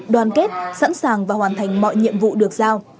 đoàn kết sẵn sàng và hoàn thành mọi nhiệm vụ được giao